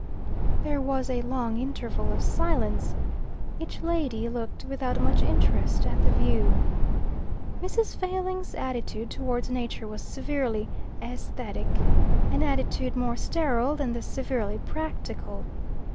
There was a long interval of silence. Each lady looked, without much interest, at the view. Mrs. Failing's attitude towards Nature was severely aesthetic an attitude more sterile than the severely practical.